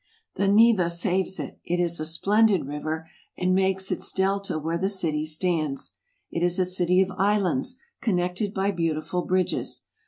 The Neva saves it. It is a splendid river, and makes its delta where the city stands. It is a city of islands, connected by beautiful bridges.